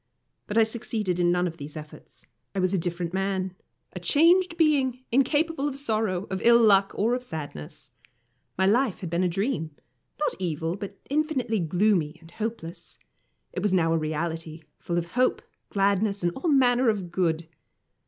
But I succeeded in none of these efforts. I was a different man, a changed being, incapable of sorrow, of ill luck, or of sadness. My life had been a dream, not evil, but infinitely gloomy and hopeless. It was now a reality, full of hope, gladness, and all manner of good.